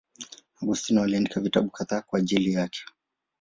Augustino aliandika vitabu kadhaa kwa ajili yake.